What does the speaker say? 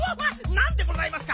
なんでございますか？